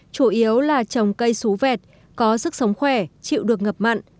chủ yếu là trồng cây xú vẹt có sức sống khỏe chịu được ngập mặn